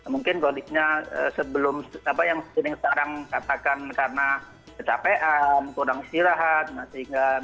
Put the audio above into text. mungkin kondisinya sebelum apa yang sering sekarang katakan karena kecapean kurang istirahat masih tidak mengibatkan tidak fit